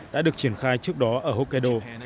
đã được triển khai trước đó ở hokkaido